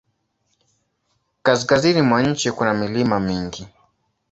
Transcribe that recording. Kaskazini mwa nchi kuna milima mingi.